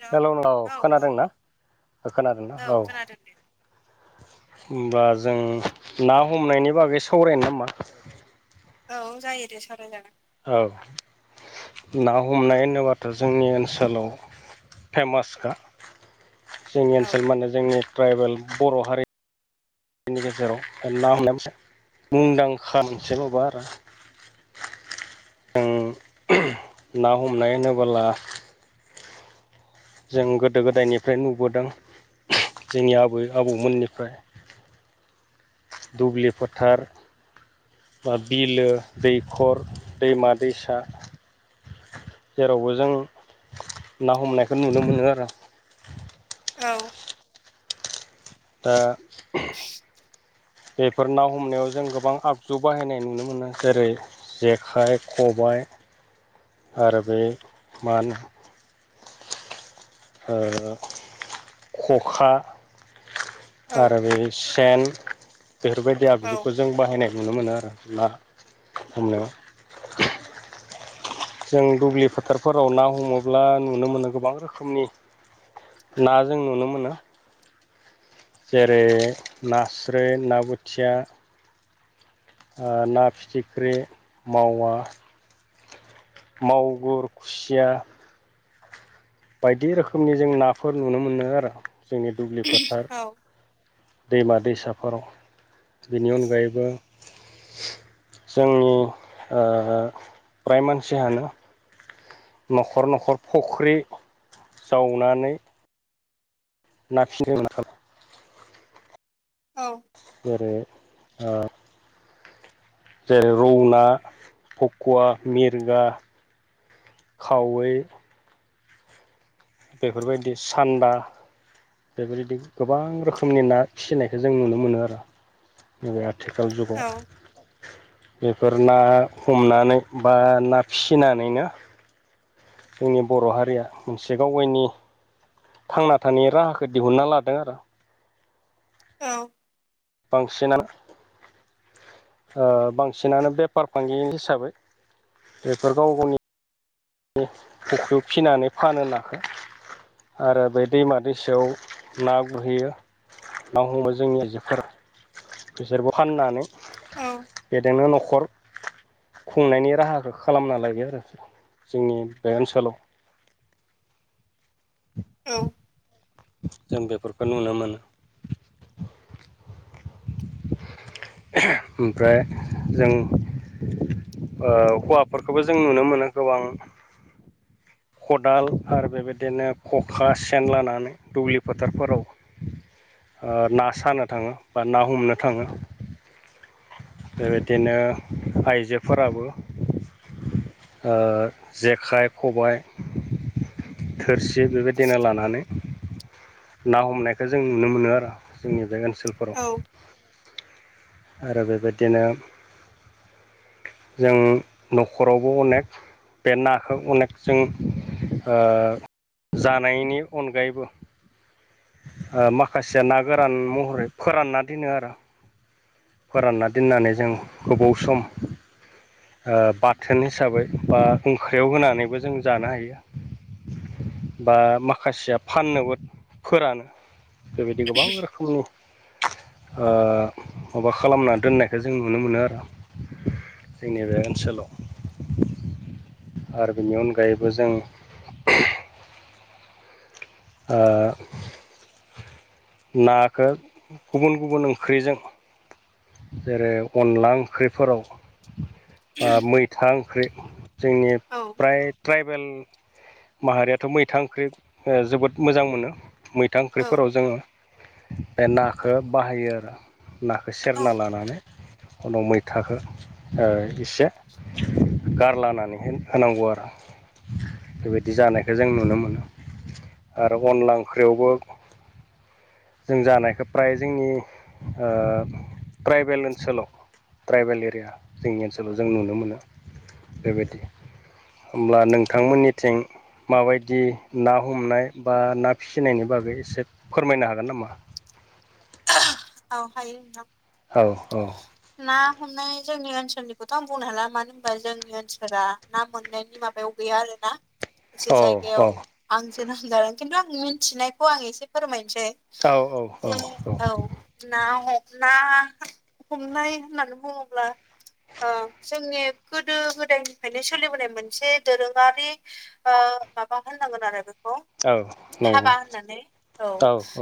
Hello hello औ खोनादोंना खोनादोंना औ खोनादों दे होमबा जों ना हमनायनि बागै सावरायनो नामा औ जायो दे सावराय जागोन औ ना हमनाय होनोबाथ' जोंनि ओनसोलाव फेमासखा जोंनि औ ओनसोल माने जोंनि ट्राइबेल बर' हारि नि गेजेराव ना मुंदांखा मोनसे माबा आरो जों ना हमनाय होनोबोला जों गोदो गोदायनिफ्राय नुबोदों जोंनि आबै आबौमोननिफ्राय दुब्लि फोथार बा बिलो दैखर दैमा दैसा जेरावबो जों ना हमनायखौ नुनो मोनो आरो औ दा [inaudible] बेफोर ना हमनायाव जों गोबां आगजु बाहायनाय नुनो मोनो जेरै जेखाइ खबाय आरो बे मा होनो ओ खखा औ आरो बे सेन बेफोरबायदि औ आगजुखौ जों बाहायनाय नुनो मोनो आरो ना हमनायाव जों दुब्लि फोथारफोराव ना हमोब्ला नुनो मोनो गोबां रोखोमनि ना जों नुनो मोना जेरै नास्राय ना बोथिया ओ ना फिथिख्रि मावा मागुर खुसिया बायदि रोखोमनि जों नाफोर नुनो मोनो आरो जोंनि दुब्लि फोथार औ दैमा दैसाफोराव बेनि अनगायैबो जोंनि ओ फ्राय मानसियानो न'खर न'खर फुख्रि जावनानै ना फिदों नाला औ जेरै ओ जेरै रौ ना फकुवा मिरखा खावै बेफोरबायदि सानबा बेबायदि गोबां रोखोमनि ना फिसिनायखौ जों नुनो मोनो आरो आथिखाल औ जुगाव बेफोर ना हमनानै बा ना फिसिनानैनो जोंनि बर' हारिया मोनसे गाव गावनि थांना थानाय राहाखौ दिहुनना लादों आरो औ बांसिनानो ओ बांसिनानो बेफार फालांगि हिसाबै बेफोर गाव गावनि फुख्रियाव फिसिनानै फान नाखौ आरो बे दैमा दैसायाव ना गुरहैयो ना हमबाय जोंनि आइजोफोर बिसोरबो फाननानै औ बेजोंनो न'खर खुंनायनि राहाखौ खालामना लायो आरो जोंनि बे ओनसोलाव औ जों बेफोरखौ नुनो मोनो ओमफ्राय जों [inaudible] औ हौवाफोरखौबो जों नुनो मोनो गोबां खदाल आरो बेबायदिनो खखा सेन लानानै दुब्लि फोथारफोराव ओ ना सानो थाङो बा ना हमनो थाङो बेबायदिनो आइजोफोराबो ओ जेखाइ खबाय थोरसि बेबायदिनो लानानै ना हमनायखौ जों नुनो मोनो आरो जोंनि बे ओनसोलफोराव आरो बेबायदिनो जों न'खरावबो अनेक बे नाखौ अनेक जों ओ जानायनि अनगायैबो ओ माखासेया ना गोरान महरै फोरानना दोनो आरो फोरानना दोननानै जों गोबाव सम ओ बाथोन हिसाबै बा ओंख्रियाव होनानैबो जों जानो हायो बा माखासेया फाननोबो फोरानो बेबायदि गोबां रोखोमनि ओ माबा खालामना दोननायखौ जों नुनो मोनो आरो जोंनि बे ओनसोलाव आरो बेनि अनगायैबो जों ओ नाखौ गुबुन गुबुन ओंख्रिजों जेरै अनला ओंख्रिफोराव बा मैथा ओंख्रि जोंनि फ्राय ट्राइबेल माहारियाथ' मैथा ओंख्रि ओ जोबोद मोजां मोनो मैथा औ ओंख्रिफोराव जोङो बे नाखौ बाहायो आरो नाखौ औ सेरना लानानै उनाव मैथखौ ओ एसे गारलानानैह होनांगौ आरो बेबायदि जानायखौ जों नुनो मोनो आरो अनला ओंख्रियावबो जों जानायखौ फ्राय जोंनि ओ ट्राइबेल ओनसोलाव ट्राइबेल एरिया जोंनि ओनसोलाव जों नुनो मोनो बेबायदि होमब्ला नोंथांमोननिथिं माबायदि ना हमनाय बा ना फिसिनायनि बागै एसे फोरमायनो हागोन नामा ओ औ हायो नोंथां औ औ ना हमनाय जोंनि ओनसोलनिखौथ' आं बुंनो हाला मानो होनबा जोंनि ओनसोला ना मोननायनि माबायाव गैया आरो ना [unintelligible] एसे जायगायाव औ आंसोनां जादों खिन्थु आं मिन्थिनायखौ आं एसे फोरमायनोसै औ औ औ जे औ औ ना हम ना हमनाय होननानै बुङोब्ला ओ जोंनि गोदो गोदायनिफ्रायनो सोलिबोनाय मोनसे दोरोङारि ओ माबा होननांगोन आरो बेखौ औ नंगौ हाबा होननानै औ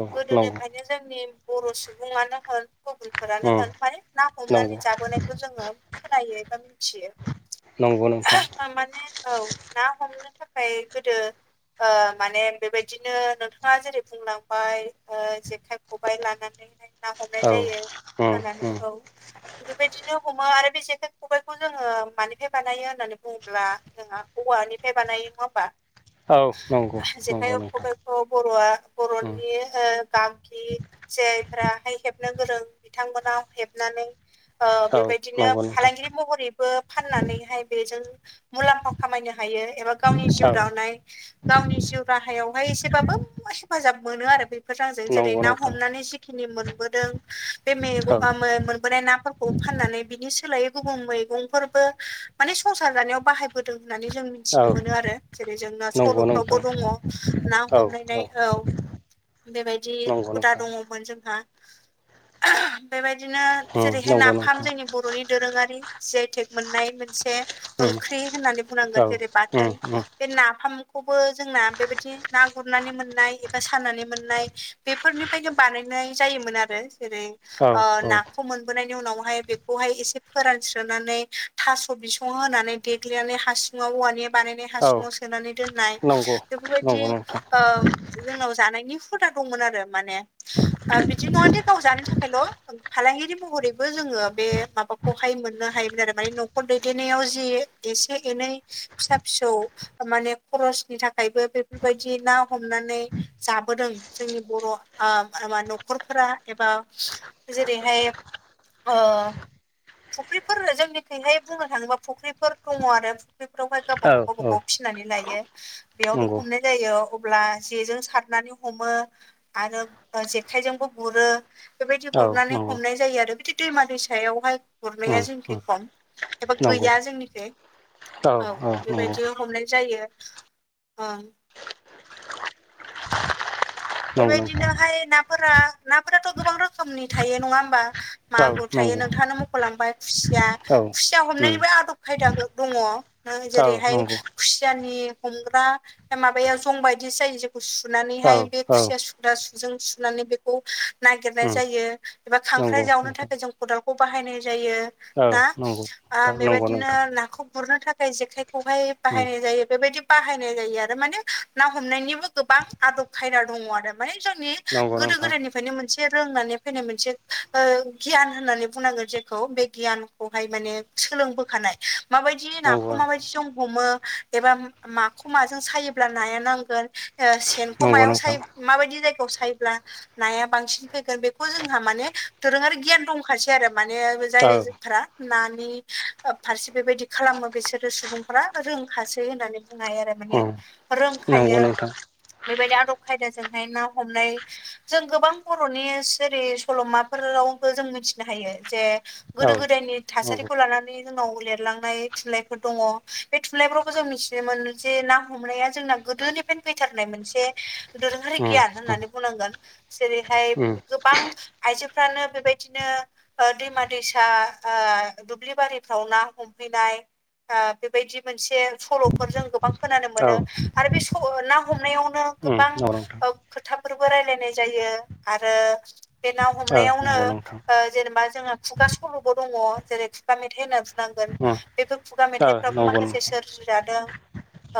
औ नंगौ गोदोनिफ्रायनो जोंनि बर' सुबुङानो होन फोरानो उम होन माने ना नंगौ हमनानै जाबोनायखौ जोङो खोनायो एबा मिथियो नंगौ नोंथां माने औ ना हमनो थाखाय गोदो ओ माने बेबायदिनो नोंथाङा जेरै बुंलांबाय ओ जेखाइ खबाइ लानो नानैहाय ना हमनाय औ जायो उम होननानै उम औ बेबायदिनो हमो आरो बे जेखाइ खबाइखौ जोङो मानिफ्राय बानायो होननानै बुङोब्ला जोंवा औवानिफ्राय बानायो नङा होमबा औ नंगौ ओ नंगौ जेखाइ नोंथां खबाइखौ बर'आ उम बर'नि ओ गागि जायफोराहाय हेबनो गोरों बिथांमोनाव हेबनानै ओ औ बेबायदिनो नंगौ नोंथां फालांगिरि महरैबो फाननानैहाय बेजों मुलामफा खामायनो हायो एबा गावनि जिउ औ दावनाय गावनि जिउ राहायावहाय एसेबाबो हेफाजाब मोनो आरो बेफोर रांजों जेरै नंगौ ना हम नोंथां माने जिखिनि मोनबोदों बे औ मोनबोनाय ना फोरखौ फाननानै बिनि सोलायै गुबुन मैगंफोरबो माने संसार जानायाव बाहायबोदों होननानै जों मिथिनो औ मोनो आरो जेरै जोंना नंगौ नोंथां सल'फ्रावबो दङ ना हमलायनाय औ बेेबायायदि नंगौ नोंथां दंइ मोन जोंहा बेबायदिनो उम जेरैहाय नंगौ नाफाम नोंथां जों एम बर'नि दोरोङारि जि आइटेक मोननाय मोनसे उम ओंख्रि होननानै औ बुंनांगोन जेरै उम बाथोन उम बे नाफामखौबो जोंना बेबायदि ना गुरनानै मोननाय एबा सानानै मोननाय बेफोरनि खायनो बानायनाय जायोमोन आरो जेरै औ ओ औ नाखौ मोन उनावहाय बेखौहाय फोरानसोनानै थास'बिसं होन्नानै देग्लिनानै हासुं ङाव औवानि बानायनाय औ हासुुंआव सोनानै दोननाय नंगौ बेफोरबायदि नंगौ नोंथां जोंनाव जानायनि हुदा दंमोन आरो माने ओ बिदि नङा दे गाव जानो थाखायल' फालांगिरि महरैबो जोङो बे माबाखौहाय मोननो हायोमोन आरो मानि न'खर दैदेननायाव जि एसे एनै फिसा फिसौ माने खरसनि थाखायबो बेफोरबायदि ना हमनानै जाबोदों जोंनि बर' ओ माबा न'खरफोरा एबा जेरैहाय ओ फुख्रिफोर जोंनिखैहाय बुंनो थाङोबा फुख्रिफोर दङ आरो फुख्रिफोरावहाय गावबा औ गाव गाव गाव औ फि फिसिनानै लायो बेयावनो नंगौ हमनाय जायो अब्ला जेजों सारनानै हमो। आरो जेखाइजोंबो गुरो। बेबायदि औ गुरनानै नंगौ हमनाय जायो आरो बिदि दैमा दैसायावहाय गुरनाया उम जोंनिखै उम खम एबा नंगौ गैया जोंनिखै औ औ बेबायदि हमनाय जायो ओं नंगौ नोंथां बेबायदिनोहाय नाफोरा नाफोराथ' गोबां रोखोमनि थायो नङा होमबा। औ मागुर थायो नंगौ नोंथाङानो मख'लांबाय खुसिया औ खुसिया उम हमनायनिबो आदब खायदा दङ। औ जेरैहाय नंगौ खुसियानि हमग्रा माबायाव जं बायदि जायो। औ सुनानैहाय बे औ खुसिया सुदा सुजों सुनानै बे खौ नागिरनाय उम जायो एबा खांख्राइ नंगौ जावनो नोंथां थाखाय जों खदालखौ बाहायनाय जायो। औ ना नंगौ ओ नोंथां नंगौ बेबायदिनो नोंथां नाखौ गुरनो थाखाय जेखायखौहाय उम बाहायनाय जायो बेबायदि बाहायनाय जायो आरो माने ना हमनायनिबो गोबां आदब खायदा दङ आरो माने जोंनि नंगौ गोदो नोंथां गोदायनि फायने मोनसे रोंनानै फैनाय मोनसे गियान होननानै बुंनांगोन जेखौ बे गियान खौहाय माने सोंलोंबोखानाय मायबाय दि नाखौ नंगौ माबायदि जों हमो एबा माखौ माजों सायोब्ला नाया नांगोन सेनखौ नंगौ मायाव नोंथां सायो माबायदि जायगायाव सायोब्ला नाया बांसिन फैगोन बेखौ जोंहा माने दोरोङारि गियान दंखासै आरो माने जाय औ [unintelligible] नानि फारसे बेबायदि खालामो बिसोरो सुबुंफ्रा रोंखासै होननानै बुंनो हायो आरो। माने उम नंगौ रोंखायो नोंथां बेबायदि आदब खायदाजोंहाय ना हमनाय जों गोबां बर'नि जेरै सल'माफोरावबो जों मिथिनो हायो जे औ गोदो गोदायनि नंगौ थासारिखौ लानानै जोंनाव लिरलांनाय थुनलाइफोर दङ बे थुनलाइफोरावबो जों मिथिनो मोनो जे ना हमनाया जोंना गोदोनि फैथारनाय मोनसे दोरोङारि उम गियान उम होननानै बुंनांगोन जेरैहाय उम गोबां आइजोफ्रानो बेबायदिनो ओ दैमा दैसा ओ दुब्लि बारिफ्राव ना हमहैनाय ओ बेबायदि मोनसे सल'फोरजों गोबां खोनानो औ मोनो आरो बे स ना हमनायावनो उम गोबां नंगौ नोंथां खोथाफोरबो रायलायनाय जायो आरो बे ना औ हमनायावनो नंगौ नोंथां ओ जेनेबा जोंहा खुगा सल'बो दङ जेरै खुगा मेथाइ होनना नांगोन उम बेफोर खुगा औ मेथाइफ्राबो नंगौ माखासे नोंथां सोरजि जादों।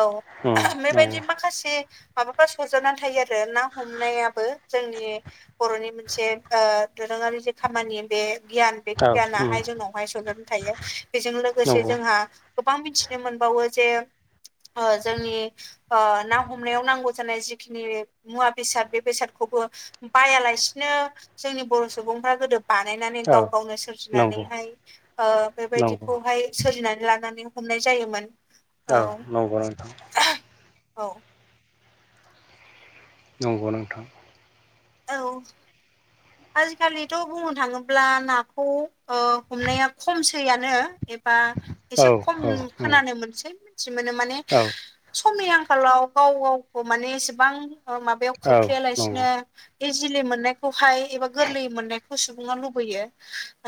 औ उम नंगौ बेबायदि माखासे माबाफ्रा सरजाबनानै थायो आरो ना हमनायाबो जोंनि बर'नि मोनसे ओ दोरोङारि जे खामानि बे गियान बे औ उम गियानाहाय जोंनावहाय सनदेरनानै थायो बेजों लोगोसे नंगौ जोंहा गोबां मिथिनो मोनबावो जे ओ जोंनि ना हमनायाव नांगौ जानाय जि जिखिनि मुवा बेसाद बे बेसादखौबो बायालासिनो जोंनि बर' सुबुंफ्रा गोदो बानायनानै औ गाव गावनो नंगौ सोरजिनानैहाय ओ नंगौ बेबायदिखौहाय सोरजिनानै लानानै हमनाय जायोमोन। औ नंगौ नोंथां। औ नंगौ नोंथां औ [inaudible] आजिखालिथ' बुंनो थाङोब्ला नाखौ ओ हमनाया खमसैयानो एबा औ एसे खम नंगौ खोनानो मोनसै मिथि मोनो माने औ समनि आंखालाव गाव गावखौ माने इसेबां माबायाव औ खोख्लैयालासिनो नंगौ बे इजिलि मोननायखौहाय एबा गोरलै मोननायखौ सुबुङा लुबैयो।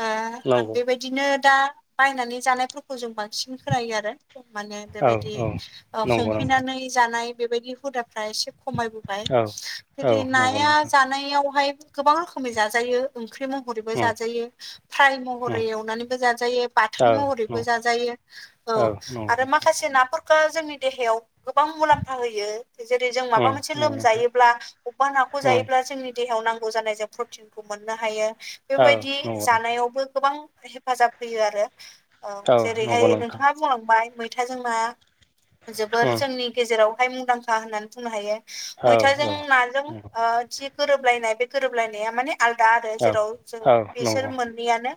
ओ नंगौ बेबायदिनो दा बायनानै जानायफोरखौ जों बांसिन खोनायो आरो। माने औ बेबायदि औ नंगौ नोंथां हमहैनानै जानाय बेबायदि हुदाफ्रा एसे खमायबो बाय औ औ जुदि ना नंगौ नोंथां जानायावहाय गोबां रोखोमै जाजायो ओंख्रि महरैबो उम जाजायो। फ्राय महरै उम एवनानैबो जाजायो औ बाथोन महरैबो जाजायो। औ नंगौ आरो नोंथां माखासे नाफोरखो जोंनि देहायाव गोबां मुलाम्फा होयो। जेरै जों माबा उम मोनसे नंगौ नोंथां लोमजायोब्ला अबबा ना उम जोंनि देहायाव नांगौ जानाय जों प्रटिनखौ मोननो हायो। औ बेबायदि नंगौ जानायावबो गोबां हेफाजाब होयो आरो औ नंगौ जेरैहाय नोंथां नोंथाङा बुंलांबाय मैथाजों ना जोबोर उम जोंनि गेजेरावहाय मुंदांखा होननानै बुंनो हायो। औ मैथाजों औ नाजों उम ओ जि गोरोबलायनाय बे गोरोबलायनाया माने आलदा आरो औ जेराव जों औ बिसोर नंगौ मोननैयानो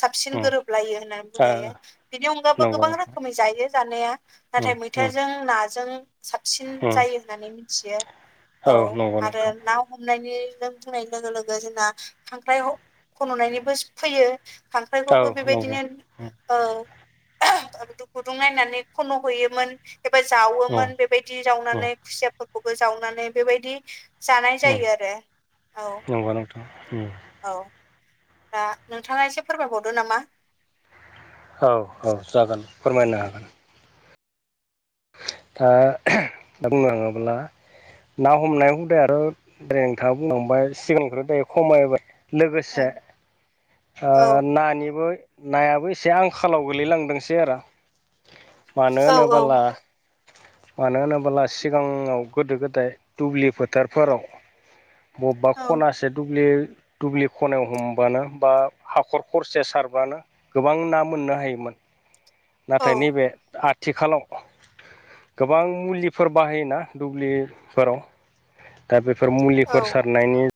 साबसिन उम गोरोबलायो होननानै ओ बुंजायो। बिनि अनगाबो नंगौ गोबां नोंथां रोखोमै जायो जानाया नाथाय उम उम मैथाजों नाजों साबसिन उम जायो होननानै मिथियो औ। नंगौ आरो नोंथां ना हमनायनि बुंनाय लोगो लोगो जोंना खांख्राय खन'नायनिबो फैयो औ खांख्राइखौबो नंगौ बेबायदिनो उम औ गुदुं नायनानै खन' हैयोमोन। एबा उम जावोमोन बेबायदि उम जावनानै खुसियाफोरखौबो जावनानै बेबायदि जानाय उम जायो आरो नंगौ नोंथां उम औ औ। दा नोंथाङा एसे फोरमायबावदो नामा? औ औ जागोन औ फोरमायनो हागोन ओं। दा दा बुंनो थाङोब्ला ना हमनाय हुदाया आरो दै नोंथाङा बुंलांबाय सिगांखौथ' दायो खमायबाय। औ लोगोसे ओ औ नानिबो नायाबो एसे आंखालाव गोलैलांदोंसै आरो मानो औ होनबोला मानो होनोबोला सिगाङाव गोदो गोदाय दुब्लि फोथारफोराव बबेबा औ खनासो दुब्लि दुब्लि खनायाव हमबानो बा हाखर खरसे सारबानो गोबां ना मोननो हायोमोन। नाथाय औ नैबे आथिखालाव गोबां मुलिफोर बाहायोना दुब्लिफोराव दा बेफोर मुलिफोर औ सारनायनि